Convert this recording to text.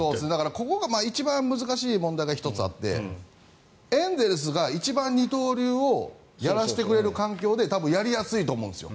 ここが一番難しい問題が１つあってエンゼルスが一番二刀流をやらせてくれる環境で多分、やりやすいと思うんですよ。